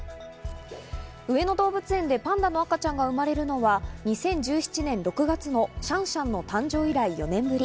上野動物園でパンダの赤ちゃんが生まれるのは２０１７年６月のシャンシャンの誕生以来４年ぶり。